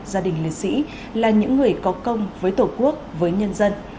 gia đình liệt sĩ là những người có công với tổ quốc với nhân dân